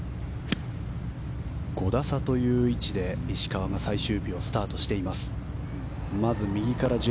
５打差という位置で石川が最終日をスタートしています。